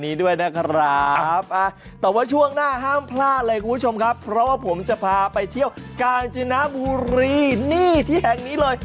เพราะว่าผมจะพาไปเที่ยวกาญจนบุรีนี่ที่แห่งนี้เลย